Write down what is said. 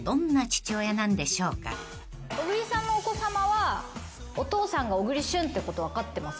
小栗さんのお子さまはお父さんが小栗旬ってこと分かってます？